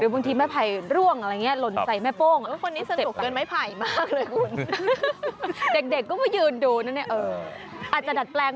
หรือบางทีไม้ไผ่ร่วงอะไรเงี้ยลนใส่แม่โป้ง